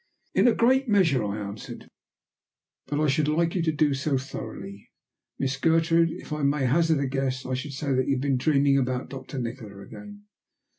"In a great measure," I answered, "but I should like to do so thoroughly. Miss Gertrude, if I may hazard a guess, I should say that you have been dreaming about Doctor Nikola again?"